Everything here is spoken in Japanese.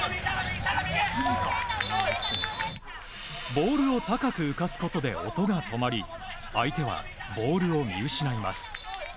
ボールを高く浮かすことで音が止まり相手はボールを見失います。